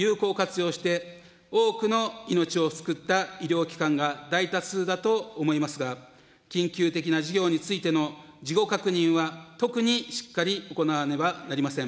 交付金を有効活用して多くの命を救った医療機関が大多数だと思いますが、緊急的な事業についての事後確認は、特にしっかり行わねばなりません。